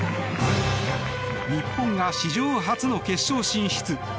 日本が史上初の決勝進出。